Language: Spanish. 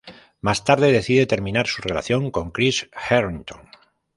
Más tarde decide terminar su relación con Chris Harrington.